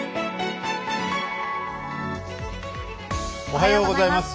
おはようございます。